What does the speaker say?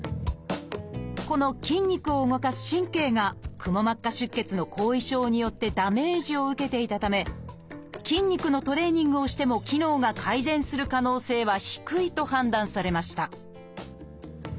この筋肉を動かす神経がくも膜下出血の後遺症によってダメージを受けていたため筋肉のトレーニングをしても機能が改善する可能性は低いと判断されました